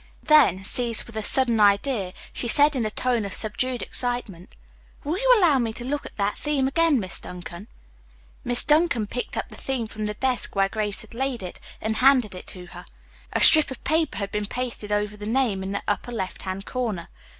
Then, seized with a sudden idea, she said in a tone of subdued excitement, "Will you allow me to look at that theme again, Miss Duncan?" Miss Duncan picked up the theme from the desk where Grace had laid it and handed it to her. A strip of paper had been pasted over the name in the upper left hand corner.